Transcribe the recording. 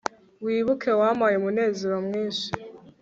wibuke, wampaye umunezero mwinshi